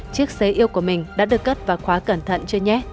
chiếc xế yêu của mình đã được cất vào khóa cẩn thận